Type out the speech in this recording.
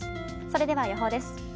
それでは予報です。